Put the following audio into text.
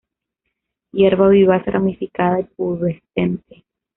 Hierba vivaz ramificada y pubescente.